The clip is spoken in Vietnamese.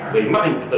với mất hình tự tự